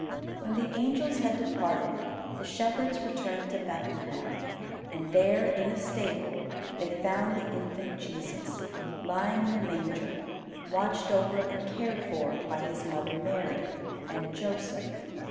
When the angels had departed, the shepherds returned to Bethlehem; and there, in a stable, they found the infant Jesus, lying in a manger, watched over and cared for by His mother Mary and Joseph.